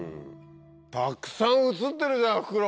たくさん映ってるじゃんフクロウ！